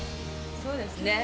そうですね。